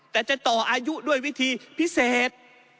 แต่จะต่ออายุด้วยวิธีพิเศษ